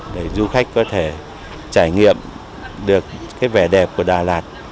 để du khách có thể trải nghiệm được cái vẻ đẹp của đà lạt